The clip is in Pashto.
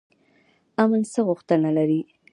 امن څه غوښتنه لري؟